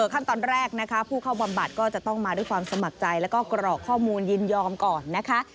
ขั้นตอนแรกนะคะผู้เข้าบำบัดก็จะต้องมาด้วยความสมัครใจแล้วก็กรอกข้อมูลยินยอมก่อนนะคะ